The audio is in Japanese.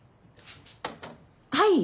はい。